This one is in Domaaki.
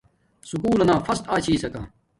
سکُول لنا فسٹ آچھسکا